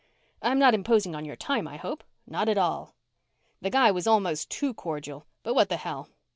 "I'm not imposing on your time, I hope." "Not at all!" The guy was almost too cordial, but what the hell?